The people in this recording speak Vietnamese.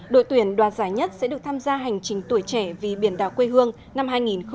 đội tuyển đoàn giải nhất sẽ được tham gia hành trình tuổi trẻ vì biển đảo quê hương năm hai nghìn hai mươi